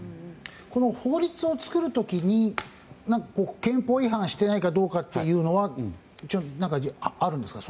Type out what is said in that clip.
法律を作る時に憲法違反していないかどうかはあるんですか？